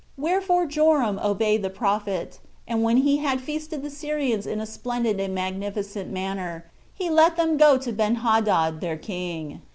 9 Wherefore Joram obeyed the prophet; and when he had feasted the Syrians in a splendid and magnificent manner, he let them go to Benhadad their king.